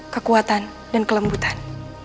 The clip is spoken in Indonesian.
kekuatan dan kelembutan